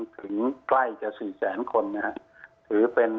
ถึงใกล้จาก๔แสนคนนะฮะ